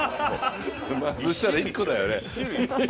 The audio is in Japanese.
そしたら１個だよね。